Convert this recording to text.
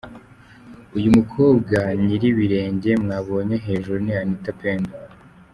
Uyu mukobwa nyir'ibirenge mwabonye hejuru ni Anita Pendo!.